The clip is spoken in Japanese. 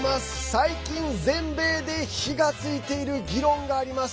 最近、全米で火がついている議論があります。